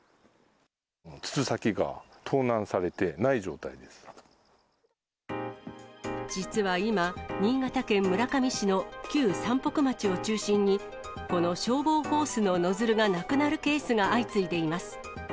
筒先が盗難されて、ない状態実は今、新潟県村上市の旧山北町を中心に、この消防ホースのノズルがなくなるケースが相次いでいます。